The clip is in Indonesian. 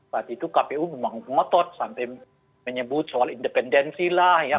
saat itu kpu memang ngotot sampai menyebut soal independensi lah ya